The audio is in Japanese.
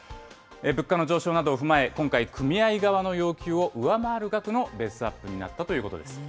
物価の上昇などを踏まえ、今回、組合側の要求を上回る額のベースアップになったということです。